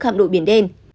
hạm đội biển đen